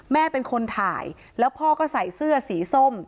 แม่เป็นคนถ่ายแล้วพ่อก็ใส่เสื้อสีส้ม